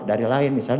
dari lain misalnya